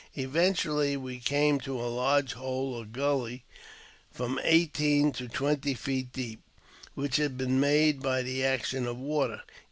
Eventually we came to a large hole or gully, from eighteen to twenty feet deep, which had been made by the action of water.